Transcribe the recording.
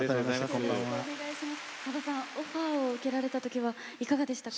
オファーを受けられたときはいかがでしたか？